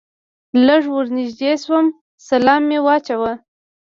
لږ ور نږدې شوم سلام مې واچاوه.